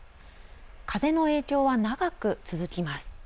風の影響は長く続きます。